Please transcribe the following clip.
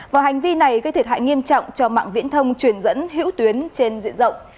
và hành vi này gây thiệt hại nghiêm trọng cho mạng viễn thông truyền dẫn hữu tuyến trên diện rộng